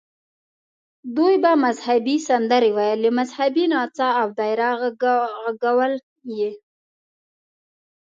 دوی به مذهبي سندرې ویلې، مذهبي نڅا او دایره غږول یې.